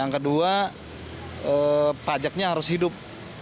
kedua pajaknya harus hidup